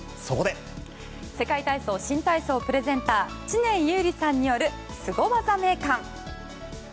世界体操・新体操プレゼンター知念侑李さんによるスゴ技名鑑。